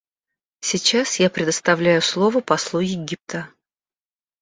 Сейчас я предоставляю слово послу Египта.